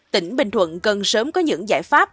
tỉnh bình thuận cần sớm có những giải pháp